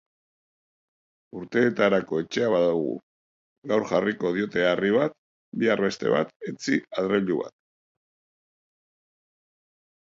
Urteetarako etxea badugu; gaur jarriko diote harri bat, bihar beste bat, etzi adreilu bat.